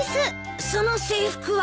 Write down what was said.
その制服は？